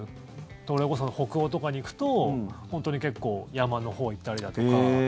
それこそ北欧とかに行くと本当に結構、山のほうに行ったりだとか。